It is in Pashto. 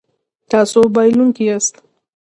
تاسو بایلونکی یاست